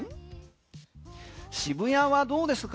渋谷はどうですか。